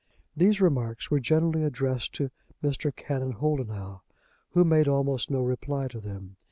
These remarks were generally addressed to Mr. Canon Holdenough, who made almost no reply to them.